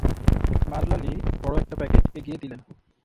মারলা লি বড় একটা প্যাকেট এগিয়ে দিলেন।